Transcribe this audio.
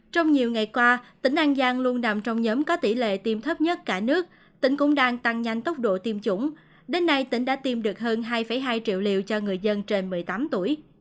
trong nhiều ngày qua tỉnh an giang luôn nằm trong nhóm có tỷ lệ tiêm thấp nhất cả nước tỉnh cũng đang tăng nhanh tốc độ tiêm chủng đến nay tỉnh đã tiêm được hơn hai hai triệu liều cho người dân trên một mươi tám tuổi